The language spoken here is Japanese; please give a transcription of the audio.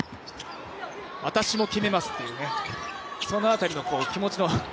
私も決めますというその辺りの気持ちの。